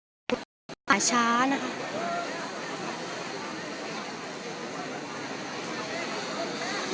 ซึ่งคล้ายคล้ายป่าช้านะคะ